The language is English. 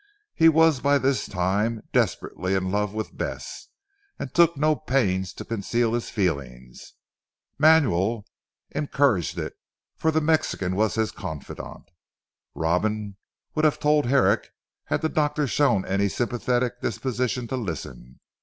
He was by this time desperately in love with Bess, and took no pains to conceal his feelings. Manuel encouraged it, for the Mexican was his confidant. Robin would have told Herrick had the doctor shown any sympathetic disposition to listen.